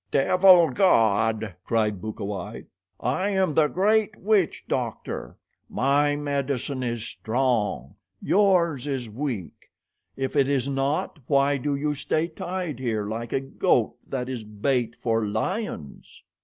"Devil god," cried Bukawai, "I am the great witch doctor. My medicine is strong. Yours is weak. If it is not, why do you stay tied here like a goat that is bait for lions?"